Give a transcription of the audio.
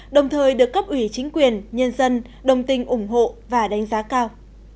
đồng thời được cấp ủy chính quyền nhân dân đồng tình ủng hộ và đánh giá cao